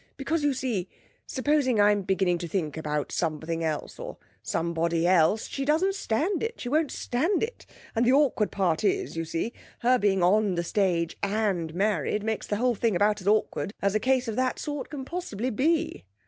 Because, you see, supposing I'm beginning to think about something else, or somebody else, she doesn't stand it; she won't stand it. And the awkward part is, you see, her being on the stage and married makes the whole thing about as awkward as a case of that sort can possibly be.'